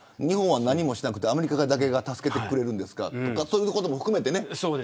日本は何もしなくてアメリカだけが助けてくれるのかとかそういうことも含めてね。